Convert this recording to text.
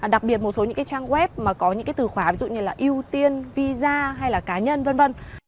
đặc biệt một số những cái trang web mà có những cái từ khóa ví dụ như là ưu tiên visa hay là cá nhân v v